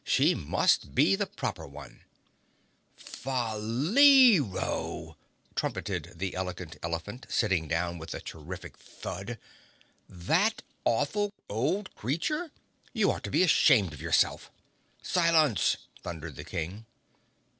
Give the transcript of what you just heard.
She must be the proper one!" "Fa—leero!" trumpeted the Elegant Elephant, sitting down with a terrific thud. "That awful old creature! You ought to be ashamed of yourself!" "Silence!" thundered the King.